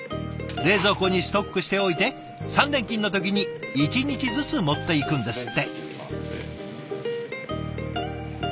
冷蔵庫にストックしておいて３連勤の時に１日ずつ持っていくんですって。